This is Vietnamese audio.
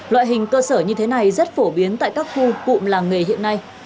loại hình cơ sở như thế này rất phổ biến tại các khu cụm làng nghề hiện nay